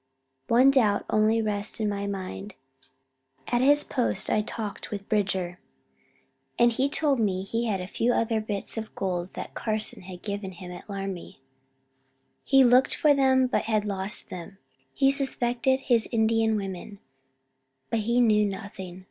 One doubt only rests in my mind. At his post I talked with Bridger, and he told me he had a few other bits of gold that Carson had given him at Laramie. He looked for them but had lost them. He suspected his Indian women, but he knew nothing.